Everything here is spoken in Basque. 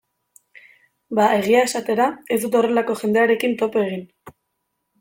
Ba, egia esatera, ez dut horrelako jendearekin topo egin.